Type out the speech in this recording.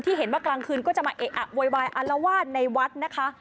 ที่เห็นว่ากลางคืนก็จะมาเอะโวยอลวาดในวัดนะคะ